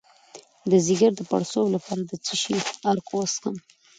د ځیګر د پړسوب لپاره د څه شي عرق وڅښم؟